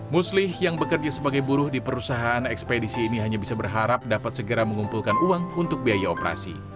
muslih yang bekerja sebagai buruh di perusahaan ekspedisi ini hanya bisa berharap dapat segera mengumpulkan uang untuk biaya operasi